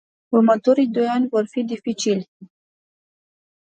Următorii doi ani vor fi dificili.